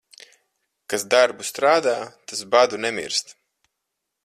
Kas darbu strādā, tas badu nemirst.